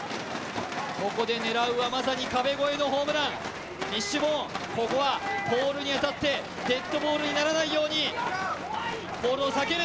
ここで狙うはまさに壁越えのホームラン、フィッシュボーンここはポールに当たってデッドポールにならないようにポールを避ける。